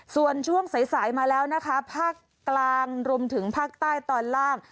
ส่วนช่วงสายสายมาแล้วนะคะภาคกลางรวมถึงภาคใต้ตอนล่าง